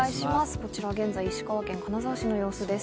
こちら現在、石川県金沢市の様子です。